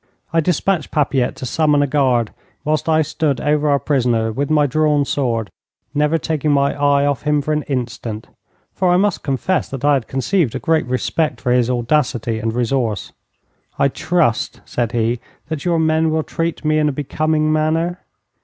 I dispatched Papilette to summon a guard, whilst I stood over our prisoner with my drawn sword, never taking my eyes off him for an instant, for I must confess that I had conceived a great respect for his audacity and resource. 'I trust,' said he, 'that your men will treat me in a becoming manner.'